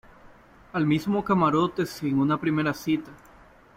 al mismo camarote sin una primera cita.